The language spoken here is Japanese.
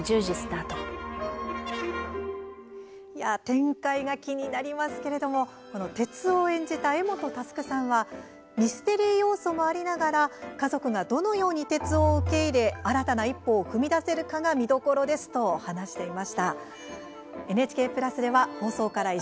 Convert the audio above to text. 展開が気になりますけど徹生を演じた柄本佑さんはミステリー要素もありながら家族がどのように徹生を受け入れ新たな一歩を踏み出せるかが見どころですと話しています。